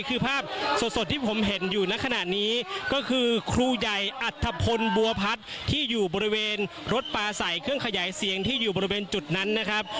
คือภาพสดที่ผมเห็นอยู่ในขณะนี้ก็คือครูใหญ่อัธพลบัวพัฒน์ที่อยู่บริเวณรถปลาใส่เครื่องขยายเสียงที่อยู่บริเวณจุดนั้นนะครับ